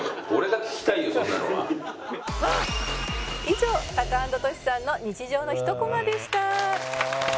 「以上タカアンドトシさんの日常の１コマでした」